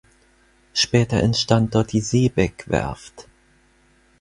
Später entstand dort die Seebeck-Werft.